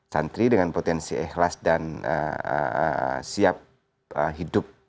santri dengan potensi ikhlas dan siap hidup